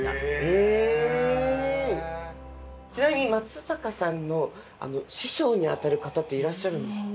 ちなみに松坂さんの師匠にあたる方っていらっしゃるんですか？